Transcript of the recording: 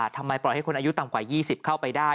ทำไมปล่อยให้คนอายุต่ำกว่า๒๐เข้าไปได้